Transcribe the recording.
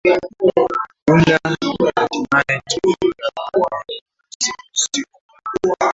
jumla hatimaye tulifika kambi ya msingi siku